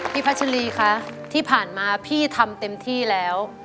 พัชรีคะที่ผ่านมาพี่ทำเต็มที่แล้ว